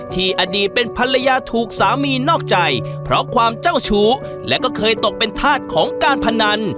อดีตเป็นภรรยาถูกสามีนอกใจเพราะความเจ้าชู้และก็เคยตกเป็นธาตุของการพนัน